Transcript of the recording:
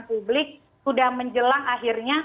publik sudah menjelang akhirnya